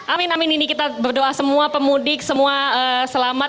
amin amin ini kita berdoa semua pemudik semua selamat